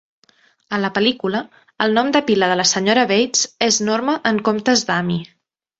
A la pel·lícula, el nom de pila de la Sra. Bates és norma en comptes d'Amy.